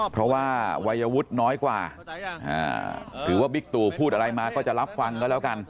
เพราะว่าวัยวุฒิน้อยกว่าหรือว่าบิ๊กตู่พูดอะไรมาก็จะรับฟังก็แล้วกัน